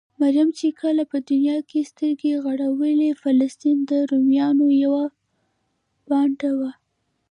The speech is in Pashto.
مريم چې کله په دونيا کې سترګې غړولې؛ فلسطين د روميانو يوه بانډه وه.